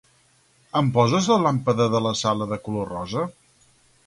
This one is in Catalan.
Em poses la làmpada de la sala de color rosa?